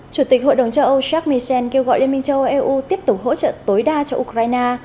chủ tịch hội đồng châu âu jacm michel kêu gọi liên minh châu âu eu tiếp tục hỗ trợ tối đa cho ukraine